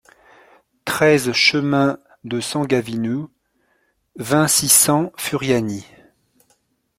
treize chemin de San Gavinu, vingt, six cents, Furiani